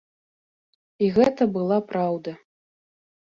І гэта была праўда.